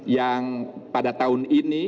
yang pada tahun ini